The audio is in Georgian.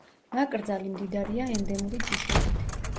ნაკრძალი მდიდარია ენდემური ჯიშებით.